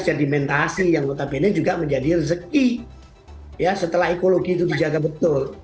sedimentasi yang notabene juga menjadi rezeki ya setelah ekologi itu dijaga betul